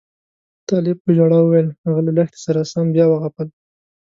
طالب په ژړا وویل هغه له لښتې سره سم بیا وغپل.